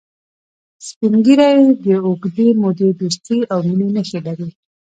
سپین ږیری د اوږدې مودې دوستی او مینې نښې لري